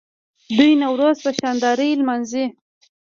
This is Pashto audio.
دوی نوروز په شاندارۍ لمانځي.